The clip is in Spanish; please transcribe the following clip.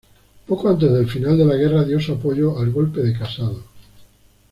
Poco antes del final de la guerra dio su apoyo al golpe de Casado.